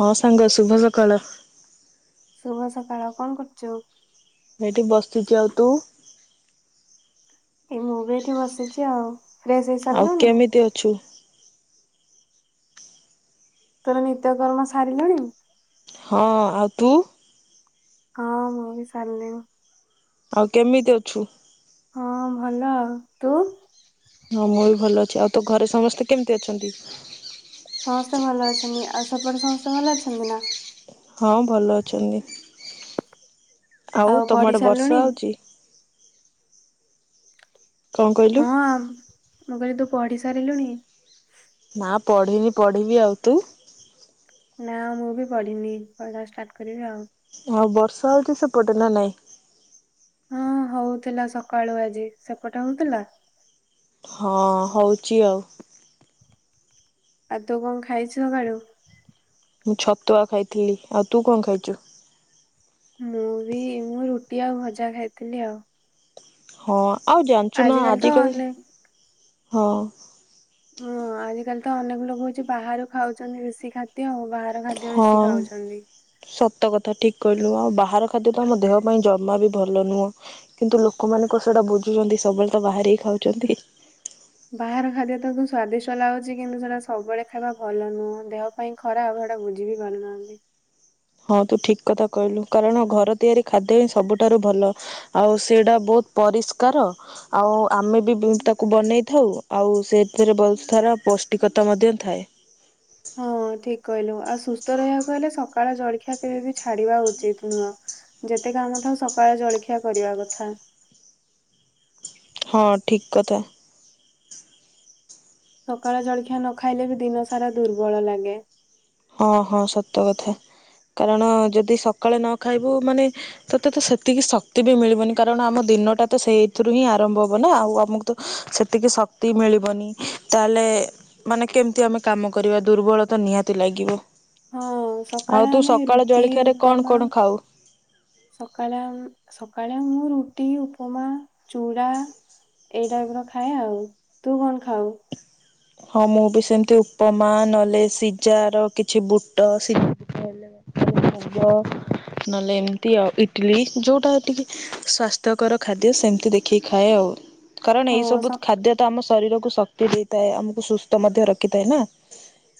ହ, ସାଙ୍ଗ, ଶୁଭ ସକାଳ। ଶୁଭ ସକାଳ, କଣ କରୁଛୁ? ଏଇଠି ବସିଛି, ଆଉ ତୁ? ଏଇ, ମୁଁ ବି ଏଇଠି ବସିଛି। ଆଉ ଫ୍ରେଶ ଆଉ ହେଇସାରିଲୁଣି? କେମିତି ଅଛୁ ତୋର ନିତ୍ୟକର୍ମ ସାରିଲୁଣି? ହଁ, ଆଉ ତୁ? ହଁ, ମୁଁ ବି ସାରିଲିଣି। ଆଉ କେମିତି ଅଛୁ? ହଁ, ଭଲ। ଆଉ ତୁ? ହଁ, ମୁଁ ବି ଭଲ ଅଛି। ଆଉ ତୋ ଘରେ ସମସ୍ତେ କେମୀତି ଅଛନ୍ତି? ହେମି ଆଉ ସେପଟେ ସମସ୍ତେ ଭଲ ଅଛନ୍ତି ନା? ହଁ, ଭଲ ଅଛନ୍ତି। ଆଉ ତମ ପଢି ଆଡେ ସାରିଲୁଣି? ବର୍ଷା ହଉଛି? କଣ କହିଲୁ ହଁ, ମୁଁ କହିଲି, ତୁ ପଢି ସାରିଲୁଣି? ନା, ପଢିନି। ପଢିବି। ଆଉ ତୁ? ନା, ମୁଁ ବି ପଢିନି। ପଢା ଷ୍ଟାର୍ଟ କରିବି ଆଉ। ହଉ, ବର୍ଷା ହଉଛି ସେପଟେ, ନା ନାଇଁ? ହଁ, ହଉଥିଲା ସକାଳୁ ଆଜି। ସେପଟେ ହଉଥିଲା? ହଁ, ହଉଛି ଆଉ। ଆଜି ତୁ କଣ ଖାଇଛୁ ସକାଳୁ? ମୁଁ ଛତୁଆ ଖାଇଥିଲି। ଆଉ ତୁ କଣ ଖାଇଛୁ? ମୁଁ ବି, ମୁଁ ରୁଟି ଆଉ ଭଜା ଖାଇଥିଲି, ଆଉ। ହଁ, ଆଉ ଜାଣିଛୁ ନା, ତ ଆଜିକାଲି, ଅନେକ ହଁ। ହଁ, ଆଜିକାଲି ତ ଅନେକ ଲୋକ ହଉଛି, ବାହାରୁ ଖାଉଛନ୍ତି ବେଶୀ ଖାଦ୍ୟ ଆଉ ବାହା ହଁ, ସତ କଥା, ଠିକ। କହିଲୁ, ଆଉ ବାହାର ଖାଦ୍ୟ ତ ଆମ ଦେହ ପାଇଁ ଜମା ବି ଭଲ ନୁହଁ, କିନ୍ତୁ ଲୋକମାନେ କଣ ସେଟା ବୁଝୁଛନ୍ତି? ସବୁବେଳେ ତ ବାହାରେ ହି ଖାଉଛନ୍ତି। ବାହାର ଖାଦ୍ୟ ତକ ସ୍ଵାଦିଷ୍ଟ ଲାଗୁଛି, କିନ୍ତୁ ସେଟା ସବୁବେଳେ ଖାଇବା ଭଲ ନୁହଁ, ଦେହ ପାଇଁ ଖରାପ। ସେଟା ବୁଝି ବି ପାରୁନାହାନ୍ତି। ହଁ, ତୁ ଠିକ କଥା କହିଲୁ। କାରଣ ଘର ତିଆରି ଖାଦ୍ୟ ହିଁ ସବୁଠାରୁ ଭଲ, ଆଉ ସେଇଟା ବହୁତ ପରିଷ୍କାର, ଆଉ ଆମେ ବି ତାକୁ ବନେଇଥାଉ, ଆଉ ସେଥିରେ ଭଲ ସାରା ପୌଷ୍ଟିକତା ମଧ୍ୟ ଥାଏ। ହଁ। ହଁ, ଠିକ କହିଲୁ, ଆଉ ସୁସ୍ଥ ରହିବାକୁ ହେଲେ, ସକାଳ ଜଳଖିଆ କେବେ ବି ଛାଡିବା ଉଚିତ ନୁହଁ। ଯେତେ କାମ ଥାଉ, ସକାଳେ ଜଳଖିଆ କରିବା କଥା। ହଁ, ଠିକ କଥା। ସକାଳ ଜଳଖିଆ ନ ଖାଇଲେ ବି, ଦିନ ସାରା ଦୁର୍ବଳ ଲାଗେ। ହଁ, ହଁ, ସତ କଥା। କାରଣ, ଯଦି ସକାଳେ ନ ଖାଇବୁ, ମାନେ ତତେ ତ ସେତିକି ଶକ୍ତି ବି ମିଳିବନି, କାରଣ ଆମ ଦିନଟା ତ ସେଇଥିରୁ ହିଁ ଆରମ୍ଭ ହବ ନା, ଆଉ ଆମକୁ ତ ସେତିକି ଶକ୍ତି ମିଳିବନି ତାହେଲେ ମାନେ, କେମତି ଆମେ କାମ କରିବା? ଦୁର୍ବଳ ତ ନିହାତି ଲାଗିବ। ହଁ, ଆଉ ସକାଳେ ତୁ ଆମେ ସକାଳ ରୁଟି, ଜଳଖିଆରେ କଣ ଉପମା କଣ ଖାଉ? ସକାଳେ ସକାଳେ, ମୁଁ ରୁଟି, ଉପମା, ଚୁଡ଼ା ଏଇ ଟାଇପ ର ଖାଏ ଆଉ, ତୁ କଣ ଖାଉ? ହଁ ମୁଁ ବି ସେମତି ଉପମା, ନ ହେଲେ ସିଝା ର କିଛି ବୁଟ ସିଝା ମୁଗ ନହେଲେ ଏମିତି ଆଉ ଇଟିଲି, ଯଉଟା ଟିକେ ସ୍ଵାସ୍ଥ୍ୟକର ଖାଦ୍ୟ ସେମିତି ଦେଖିକି ଖାଏ ଆଉ କାରଣ ହଁ ଏଇ ସବୁ ସ ଖାଦ୍ୟ ତ ଆମ ଶରୀରକୁ ଶକ୍ତି ଦେଇଥାଏ, ଆମକୁ ସୁସ୍ଥ ମଧ୍ୟ ରଖିଥାଏ ନା।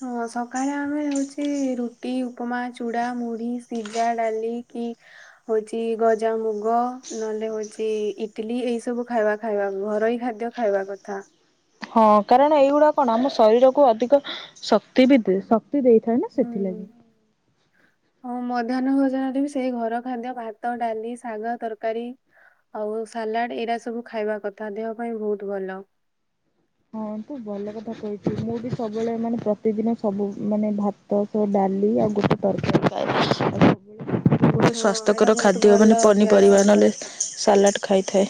ହଁ ସକାଳେ ଆମେ ହଉଚି ରୁଟି, ଉପମା, ଚୁଡ଼ା, ମୁଢି, ସିଝା, ଡାଲି କି ହଉଛି ଗଜାମୁଗ, ନହେଲେ ହଉଛି ଇଟିଲି, ଏଇ ସବୁ ଖାଇବା ଖାଇବା ଘରୋଇ ଖାଦ୍ୟ ଖାଇବା କଥା। ହଁ କାରଣ ଏଇଗୁଡା କଣ -ଆମ ଶରୀରକୁ ଅଧିକ ଶକ୍ତି ବି ଦିଏ। ଶକ୍ତି ଦେଇଥାଏ ନା ହୁଁ ସେଥିଲାଗି। ହଁ ମଧ୍ୟାହ୍ନ ଭୋଜନରେ ବି ସେଇ ଘର ଖାଦ୍ୟ ଭାତ, ଡାଲି, ଶାଗ, ତରକାରୀ ଆଉ ସାଲାଡ, ଏଇଡା ସବୁ ଖାଇବା କଥା ଦେହ ପାଇଁ ବହୁତ ଭଲ। ହଁ ତୁ ଭଲ କଥା କହିଚୁ, ମୁଁ ବି ସବୁବେଳେ ମାନେ ପ୍ରତିଦିନ ସବୁ ମାନେ ଭାତ ସବୁ ଡା ଡାଲି ଆଉ ଗୁଟେ ତରକରି ପାଇଛି। ହଁ ଏଇଟା ସ୍ଵାସ୍ଥ୍ୟକର ବହୁତ ଖାଦ୍ୟ ଭଲ ମାନେ ଅଭ୍ୟାସ। ପନିପରିବାରେ ସାଲାଡ ଖାଇଥାଏ।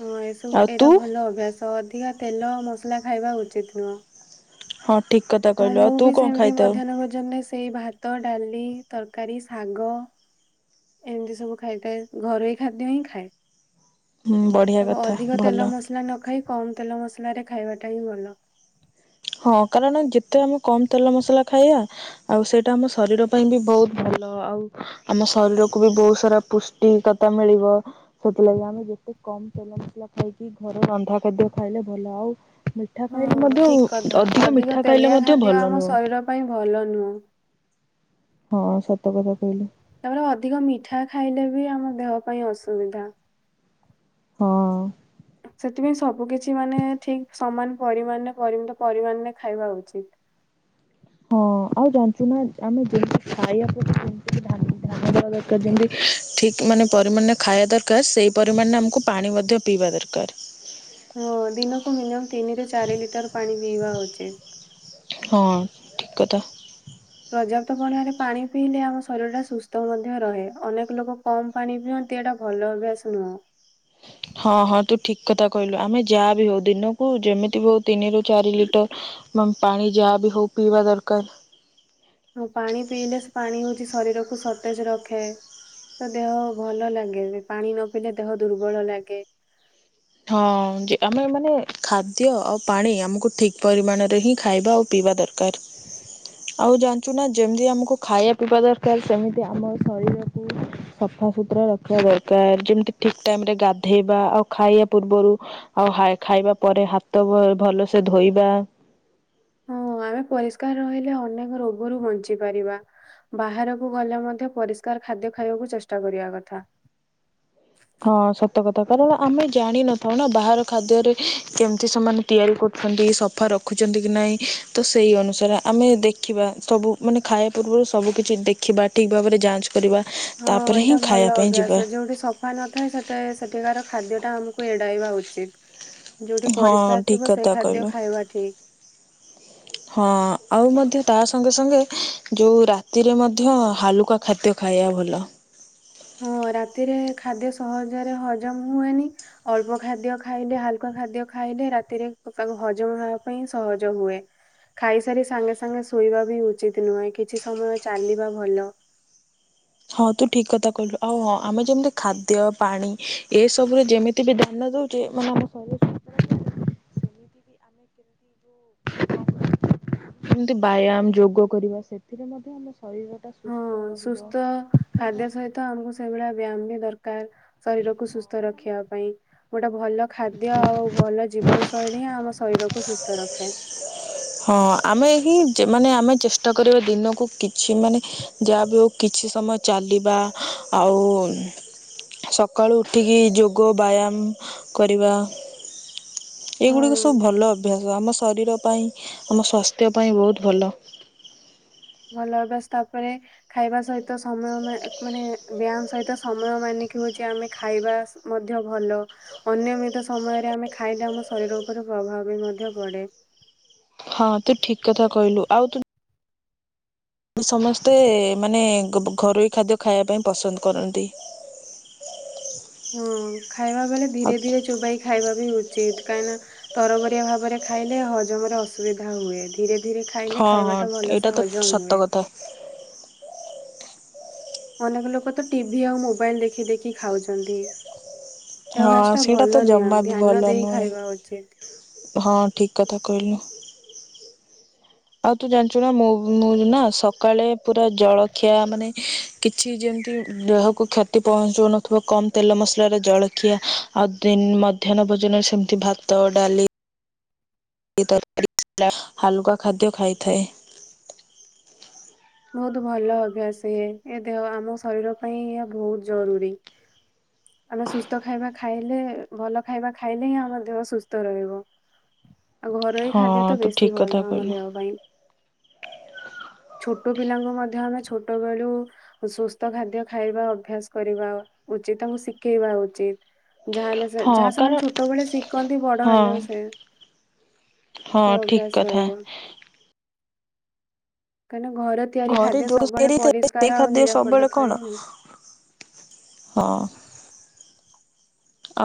ହଁ ଏସବୁ ଆଉ ତୁ ଏଟା ଭଲ ଅଭ୍ୟାସ ଅଧିକା ତେଲ ମସଲା ଖାଇବା ଉଚିତ ନୁହଁ। ହଁ ଠିକ୍ କଥା ହଁ କହିଲୁ ମୁଁ ଆଉ ତୁ ବି କଣ ସେମିତି ଖାଇଥାଉ? ମଧ୍ୟାହ୍ନ ଭୋଜନରେ ସେଇ ଭାତ, ଡାଲି ତରକାରୀ, ଶାଗ, ଏମିତି ସବୁ ଖାଇଥାଏ ଘରୋଇ ଖାଦ୍ୟ ହିଁ ଖାଏ। ହୁଁ ବଢ଼ିଆ ଆ କଥା ଅଧିକ ଭଲ ତେଲ ମସଲା ନ ଖାଇ କମ ତେଲ ମସଲାରେ ଖାଇବାଟା ହିଁ ଭଲ। ହଁ କାରଣ ଯେତେ ଆମେ କମ ତେଲ ମସଲା ଖାଇବା ଆଉ ସେଇଟା ଆମ ଶରୀର ପାଇଁ ବି ବହୁତ ଭଲ। ଭଲ ଆଉ ଆମ ଶରୀରକୁୁ ବି ବହୁତ ସାରା ପୁଷ୍ଟିକତା ମିଳିବ, ସେଥିଲାଗି ଆମେ ଯେତେ କମ ତେଲ ମସଲା ଖାଇକି ଘରେ ରନ୍ଧା ଖାଦ୍ୟ ଖାଇଲେ ଭଲ ଆଉ ମିଠା ଖାଇଲେ ହଁ ମଧ୍ୟ ଠିକ କଥା, ଅଧିକ ମିଠା ଖାଇଲେ ତେଲିଆ ମଧ୍ୟ ଖାଦ୍ୟ ଭଲ ଆମ ନୁହଁ। ଶରୀର ପାଇଁ ଭଲ ନୁହଁ। ହଁ ସତ କଥା କହିଲୁ। ତାପରେ ଅଧିକ ମିଠା ଖାଇଲେ ବି ଆମ ଦେହ ପାଇଁ ଅସୁବିଧା। ହଁ ଅଁ ସେଥିପାଇଁ ସବୁ କିଛି ମାନେ ଠିକ ସମାନ ପରିମାଣରେ ପରିମିତ ପରିମାଣରେ ଖାଇବା ଉଚିତ। ହଁ ଆଉ ଜାଣିଛୁ ନା, ଆମେ ଯେମିତି ଖାଇବା ପ୍ରତି ଯେମିତି ହେଲେ ଧ୍ୟାନ ଦେବା ଦରକାର, ଯେମତି ଠିକ ମାନେ ପରିମାଣରେ ଖାଇବା ଦରକାର, ସେଇ ପରିମାଣରେ ଆମକୁ ପାଣି ମଧ୍ୟ ପିଇବା ଦରକାର। ହଁ ଦିନକୁ ମିନିମମ୍ ତିନିରୁ ଚାରି ଲିଟର ପାଣି ପିଇବା ଉଚିତ। ହଁ ଠିକ କଥା। ପର୍ଯ୍ୟାପ୍ତ ପରିମାଣରେ ରେ ପାଣି ପିଇଲେ ଆମ ଶରୀର ଟା ସୁସ୍ଥ ମଧ୍ୟ ରହେ ଅନେକ ଲୋକ କମ ପାଣି ପିଅନ୍ତି ଦେହ ଟା ଭଲ ଭାବେ ଆସୁ ହଁ ହଁ ତୁ ଠିକ କଥା କହିଲୁ ଆମେ ଯାହା ବି ହଉ ଦିନକୁ ଯେମିତି ହଉ ତିନିରୁ ଚାରି ଲିଟର ପାଣି ଯାହା ବି ହେଉ ପିଇବା ଦରକାର। ହଉ ପାଣି ପିଇଲେ ସେ ପାଣି ହଉଛି ଶରୀରକୁ ସତେଜ ରଖେ। ତ ଦେହ ଭଲ ଲାଗେ ନି, ପାଣି ନ ପିଇଲେ ଦେହ ଦୁର୍ବଳ ଲାଗେ। ହଁ ଯେ ଆମେ ମାନେ ଖାଦ୍ୟ ଆଉ ପାଣି ଆମକୁ ଠିକ ପରିମାଣରେ ହିଁ ଖାଇବା ଆଉ ପିଇବା ଦରକାର। ଆଉ ଜାଣିଛୁ ନା ଯେମିତି ଆମକୁ ଖାଇବା ପିଇବା ଦରକାର, ସେମିତି ଆମ ଶରୀରକୁ ସଫା ସୁତୁରା ରଖିବା ଦରକାର ଯେମିତି ଠିକ ଟାଇମ ରେ ଗାଧେଇବା ଆଉ ଖାଇବା ପୂର୍ବରୁ ଆଉ ଖାଇବା ପରେ ହାତ ଭଲସେ ଧୋଇବା। ହଁ ଆମେ ପରିଷ୍କାର ରହିଲେ ଅନେକ ରୋଗରୁ ବଞ୍ଚି ପାରିବା, ବାହାରକୁ ଗଲେ ମଧ୍ୟ ମଧ୍ୟ ପରିଷ୍କାର ଖାଦ୍ୟ ଖାଇବାକୁ ଚେଷ୍ଟା କରିବା କଥା। ହଁ ସତ କଥା କାରଣ ଆମେ ଜାଣିନଥାଉ ନା ବାହାର ଖାଦ୍ୟରେ କେମତି ସେମାନେ ତିଆରି କରୁ ର ସଫା ରଖୁଛନ୍ତି କି ନାଇଁ, ତ ସେଇ ଅନୁସାରେ ଆମେ ଦେଖିବା, ସବୁ ମାନେ ଖାଇବା ପ ମୋର ସବୁକିଛି ଦେଖିବା, ଠିକ ଭାବରେ ଯାଞ୍ଚ କରିବା, ହଁ ତାପରେ ହିଁ ଖାଇବା ପାଇଁ ଯିବା। ଥାଏ ସେଟାଏ ସେଠିକାର ଖାଦ୍ୟଟା ଆମକୁ ଏଡାଇବା ଉଚିତ। ଯୋଉଠି ହଁ ପରିଷ୍କାର ଥିବ ଠିକ ସେଇ କଥା ଖାଦ୍ୟ କହିଲୁ। ଖାଇବା ଠିକ। ହଁ ଆଉ ମଧ୍ୟ ତା ସଙ୍ଗେ ସଙ୍ଗେ, ଯୋଉ ରାତିରେ ମଧ୍ୟ ହାଲୁକା ଖାଦ୍ୟ ଖାଇଆ ଭଲ। ହଁ ରାତିରେ ଖାଦ୍ୟ ସହଜରେ ହଜମ ହୁଏନି, ଅଳ୍ପ ଖାଦ୍ୟ ଖାଇଲେ ହାଲୁକା ଖାଦ୍ୟ ଖାଇ ଖାଇଲେ ରାତିରେ ତାକୁ ହଜମ ହବା ପାଇଁ ସହଜ ହୁଏ। ଖାଇସାରି ସାଙ୍ଗେ ସାଙ୍ଗେ ଶୋଇବା ବି ଉଚିତ ନୁହେଁ, କିଛି ସମୟ ଚାଲିବା ଭଲ। ହଁ, ତୁ ଠିକ କଥା କହିଲୁ। ଆଉ ହଁ, ଆମେ ଯେମିତି ଖାଦ୍ୟ ପାଣି ଏସବୁରେ ଯେମିତି ବି ଧ୍ୟାନ ଦଉଚେ ମାନେ ଆମ ଶରୀର ପାଇଁ ଏମତି ବ୍ୟାୟାମ, ଯୋଗ କରିବା ସେଥିରେ ମଧ୍ୟ ଆମ ଶରୀରଟା ସୁସ୍ଥ ହଁ, ରହିବ। ସୁସ୍ଥ ଖାଦ୍ୟ ସହିତ ଆମକୁ ସେଇଭଳିଆ ବ୍ୟାୟାମ ଦରକାର ଶରୀରକୁ ସୁସ୍ଥ ରଖିବା ପାଇଁ, କୋଉଟା ଭଲ ଖାଦ୍ୟ ଆଉ ଭଲ ଜୀବନ ଶୈଳୀ ହିଁ ଆମ ଶରୀରକୁ ସୁସ୍ଥ ରଖେ। ହଁ, ଆମେ ହିଁ ମାନେ ଆମେ ଚେଷ୍ଟା କରିବା ଦିନକୁ କିଛି ମାନେ ଯାହା ବି ହଉ କି କିଛି ସମୟ ଚାଲିବା ଆଉ ସକାଳୁ ଉଠିକି ଯୋଗ, ବ୍ୟାୟାମ କରିବା। ଏଇଗୁଡିକ ହଁ। ସବୁ ଭଲ ଅଭ୍ୟାସ। ଆମ ଶରୀର ପାଇଁ ଆମ ସ୍ୱାସ୍ଥ୍ୟ ପାଇଁ ବହୁତ ଭଲ। ଭଲ ଅଭ୍ୟାସ ତାପରେ ଖାଇବା ସହିତ ସମୟ ମା ଏକ ମାନେ ବ୍ୟାୟାମ ସହିତ ସମୟ ମାନିକି ହଉଛି ଆମେ ଖାଇବା ମଧ୍ୟ ଭଲ। ଅନିୟମିତ ସମୟରେ ଆମେ ଖାଇଲେ ଆମ ଶରୀର ଉପରେ ପ୍ରଭାବ ବି ମଧ୍ୟ ପଡେ। ହଁ, ତୁ ଠିକ କଥା କହିଲୁ। ଆଉ ତୁ ଆମେ ସମସ୍ତେ ମାନେ ଘ-ଘରୋଇ ଖାଦ୍ୟ ଖାଇବା ପାଇଁ ପସନ୍ଦ କରନ୍ତି। ହଁ, ଖାଇବା ବେଳେ ଆଉ ଧୀରେ ଧୀରେ ଚୋବାଇ ଖାଇବା ବି ଉଚିତ। କାରଣ, ତରବରିଆ ଭାବରେ ଖାଇଲେ ହଜମରେ ଅସୁବିଧା ହୁଏ। ଧୀରେ ଧୀରେ ଖାଇଲେ ହଁ ହଁ ଖାଇବାଟା ଏଇଟା ଭଲସେ ତ ହଜମ ସତ ହୁଏ। କଥା। ଅନେକ ଲୋକ ତ ଟିଭି ଆଉ ମୋବାଇଲ ଦେଖି ଦେଖି ଖାଉଛନ୍ତି। ଏ ହଁ ଅଭ୍ୟାସଟା ସେଇଟା ତ ଭଲ ନୁହେଁ, ଜମା ବି ଭଲ ଧ୍ୟାନ ଦେଇ ନୁହେଁ। ଖାଇବା ଉଚିତ। ହଁ, ଠିକ୍ କଥା କହିଲୁ। ଆଉ ତୁ ଜାଣିଚୁ ନା, ମୋ ମୁଁ ବି ନା ସକାଳେ ପୁରା ଜଳଖିଆ ମାନେ କିଛି ଯେମତି ମତି ଦେହକୁ କ୍ଷତି ପହଞ୍ଚଉନଥିବ କମ୍ ତେଲ ମସଲାରେ ଜଳ ଖିଆ, ଆଉ ଦିନ ମଧ୍ୟାହ୍ନ ଭୋଜନରେ ସେମତି ଭାତ, ଡାଲି ଲି, ତରକାରୀ ହାଲୁକା ଖାଦ୍ୟ ଖାଇଥାଏ। ବହୁତ ଭଲ ଅଭ୍ୟାସ ଇଏ। ଏ ଦେହ ଆମ ଶରୀର ପାଇଁ ଏହା ବହୁତ ଜରୁରୀ। ଆମେ ସୁସ୍ଥ ଖାଇବା ଖାଇଲେ, ଭଲ ଖାଇବା ଖାଇଲେ ହିଁ, ଆମ ଦେହ ସୁସ୍ଥ ରହିବ। ଆଉ ଘରୋଇ ହଁ ଖାଦ୍ୟ ତ ତୁ ବେଶୀ ଠିକ ଭଲ କଥା ଆମ କହିଲୁ ଦେହ ପାଇଁ। ଛୋ ଛୋଟପିଲାଙ୍କୁ ମଧ୍ୟ ଆମେ ଛୋଟବେଳୁ ସୁସ୍ଥ ଖାଦ୍ୟ ଖାଇବା ଅଭ୍ୟାସ କରିବା ଉଚିତ। ତାଙ୍କୁ ଶିକେଇବା ଉଚିତ। ଯାହାହେଲେ ସେ ହଁ ଯାହା କାରଣ ସେମାନେ ଛୋଟବେଳେ ଶିକନ୍ତି ବଡ ହଁ ହେଲେ ସେ ହଁ, ସେ ଠିକ ଅଭ୍ୟାସ କଥା। ରହିବ। କାହିଁକିନା ଘର ତିଆରି ଘରେ ଖାଦ୍ୟ ଯୋଉ ଜିନିସ ସବୁବେଳେ ତିଆରି ହେଇଥାଏ, ପରିଷ୍କାର ସେଇ ଆଉ ଖାଦ୍ୟ ନିରାପଦ ସବୁବେଳେ ଥାଏ କଣ ନା। ହଁ।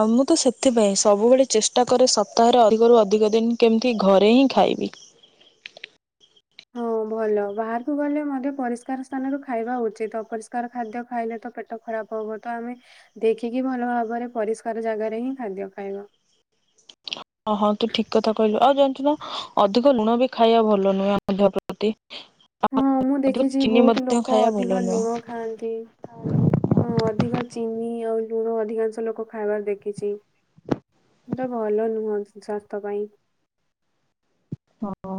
ଆଉ ମୁଁ ତ ସେଥିପାଇଁ ସବୁବେଳେ ଚେଷ୍ଟା କରେ ସପ୍ତାହରେ ଅଧିକରୁ ଅଧିକ ଦିନ କେମତି ଘରେ ହିଁ ଖାଇ ଖାଇବି। ହଁ, ଭଲ ବାହାରୁକୁ ଗଲେ ମଧ୍ୟ ପରିଷ୍କାର ସ୍ଥାନରୁ ଖାଇବା ଉଚିତ। ଅପରିଷ୍କାର ଖାଦ୍ୟ ଖାଇଲେ ତ ପେଟ ଖରାପ ହବ। ତ ଆମେ ଦେଖିକି ଭଲ ଭାବରେ ପରିଷ୍କାର ଜାଗାରେ ହିଁ ଖାଦ୍ୟ ଖାଇବା। ହଁ ହଁ ତୁ ଠିକ କଥା କହିଲୁ। ଆଉ ଜାଣିଛୁ ନା ଅଧିକ ଲୁଣ ବି ଖାଇବା ଭଲ ନୁହେଁ ଆମ ଦେହ ପ୍ରତି। ହଁ ମୁଁ ଅଧିକ ଦେଖିଛି ଚିନି ବହୁତ ମଧ୍ୟ ଲୋକ ଖାଇବା ଭଲ ଅଧିକ ନୁହଁ। ଲୁଣ ଖାଆନ୍ତି। ହଁ ଅଧିକ ଚିନି ଆଉ ଲୁଣ ଅଧିକାଂଶ ଲୋକ ଖାଇବାର ଦେଖିଛି। ତ ଭଲ ନୁହଁ ସ-ସ୍ଵାସ୍ଥ୍ୟ ପାଇଁ। ହଁ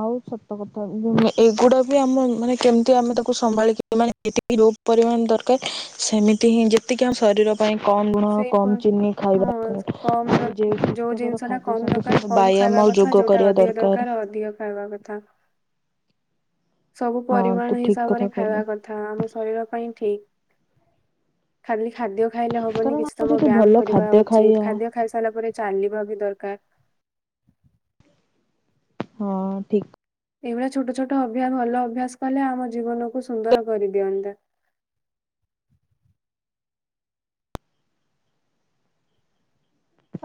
ଆଉ ସତ କଥା। ଉଁ ଏଗୁଡା ବି ଆମ ମାନେ କେମିତି ଆମେ ତାକୁ ସମ୍ଭାଳିକି ମାନେ [unintelligible] ଯୋଉ ପରିମାଣ ଦରକାର ସେମିତି ହିଁ ଯେତିକି ଆମ ଶରୀର ପାଇଁ କମ୍ ଲୁଣ, ସେଇପ କମ୍ ଚିନି ଖାଇବା ହଁ ଦରକାର। କମ ଆମେ ଦର ଯେଉଁ ଯୋଉ ସୁସ୍ଥକର ଜିନିଷ ଟା ଖାଦ୍ୟ କମ ସଙ୍ଗେ ଦରକାର ସଙ୍ଗେ ବାୟାମ [unintelligible] କଥା ଯୋଉଟା ଅଧିକ ଦରକାର ଅଧିକ ଖାଇବା କଥା। ସବୁ ହଁ ପରିମାଣ ତୁ ଠିକ ହିସାବରେ କଥା ଖାଇବା କହିଲୁ କଥା। ଆମ ଶରୀର ପାଇଁ ଠିକ୍। ଖାଲି ଖାଦ୍ୟ ଖାଇଲେ ହବନି କାରଣ କିଛି ଆମେ ସମୟ ଯଦି ବ୍ୟାୟାମ ଭଲ କରିବା ଖାଦ୍ୟ ଉଚିତ୍। ଖାଇବା ଖାଦ୍ୟ ଖାଇ ସାରିଲା ପରେ ଚାଲିବା ବି ଦରକାର। ହଁ ଠିକ୍। ଏଇଭଳିଆ ଛୋଟ ଛୋଟ ଅଭ୍ୟାସ ଭଲ ଅଭ୍ୟାସ କଲେ ଆମ ଜୀବନକୁ ସୁନ୍ଦର କରିଦିଅନ୍ତା।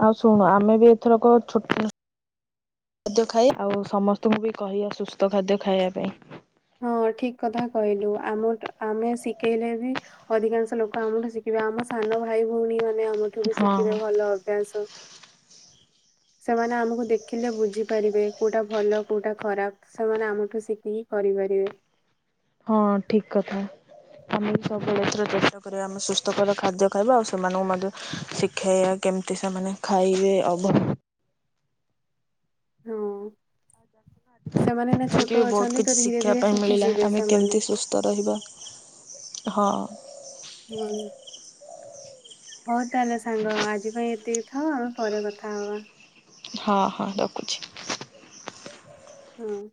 ଆଉ ଶୁଣୁ ଆମେ ବି ଏଥରକ ଛୋଟ୍ ଖାଦ୍ୟ ଖାୟା। ଆଉ ସମସ୍ତୁଙ୍କୁ ବି କହିୟା ସୁସ୍ଥ ଖାଦ୍ୟ ଖାଇଆ ପାଇଁ। ହଁ। ହଁ ଠିକ୍ କଥା କହିଲୁ। ଆମଟ୍ ଆମେ ଶିଖେଇଲେ ବି ଅଧିକାଂଶ ଲୋକ ଆମଠୁ ଶିଖିବେ ଆମ ସାନ୍ ନ ଭାଇ ଭଉଣୀ ମାନେ ଆମଠୁ ବି ହଁ ଶିଖିବେ ଭଲ ଅଭ୍ୟାସ। ସେମାନେ ଆମୁକୁ ଦେଖିଲେ ବୁଝିପାରିବେ କୋଉଟା ଭଲ କୋଉଟା ଖରାପ। ସେମାନେ ଆମୁଠୁ ଶିଖି କରିପାରିବେ। ହଁ ଠିକ୍ କଥା। ଆମେ ବି ସବୁବେଳେ ଏଥର ଚେଷ୍ଟା କରିବା ଆମେ ସୁସ୍ଥକର ଖାଦ୍ୟ ଖାଇବା ଆଉ ସେମାନଙ୍କୁ ମଧ୍ୟ ଶିଖେଇଆ କି କେମିତି ସେମାନେ ଖାଇବେ ଅଭ ହଁ। ସେମାନେ ଏଇନେ କି ବି ଛୋଟ ବହୁତ ଅଛନ୍ତି ତ କିଛି ଧୀରେ ଶିଖିବା ଧୀରେ ପାଇଁ ଶିଖି ମିଳିଲା ଯିବେ ଆମେ ସେମାନେ। କେମିତି ସୁସ୍ଥ ରହିବା ହଁ। ହୁଁ। ହଉ ତାହେଲେ ସାଙ୍ଗ ଆଜି ପାଇଁ ଏତିକି ଥାଉ। ଆମେ ପରେ କଥା ହବା। ହଁ ହଁ ରଖୁଛି। ହଁ।